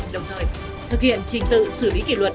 đồng thời thực hiện trình tự xử lý kỷ luật